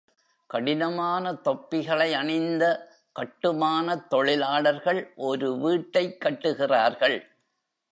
கடினமான தொப்பிகளை அணிந்த கட்டுமானத் தொழிலாளர்கள் ஒரு வீட்டைக் கட்டுகிறார்கள்.